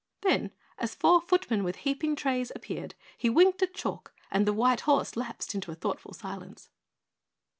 Then as four footmen with heaping trays appeared, he winked at Chalk and the white horse lapsed into a thoughtful silence.